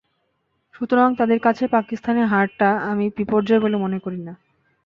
সুতরাং তাদের কাছে পাকিস্তানের হারটা আমি বিপর্যয় বলে মনে করি না।